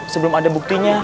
sebelum ada buktinya